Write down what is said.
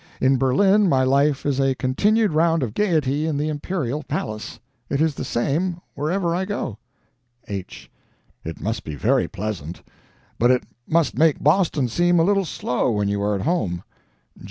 In Berlin my life is a continued round of gaiety in the imperial palace. It is the same, wherever I go. H. It must be very pleasant. But it must make Boston seem a little slow when you are at home.